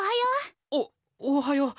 おおはよう。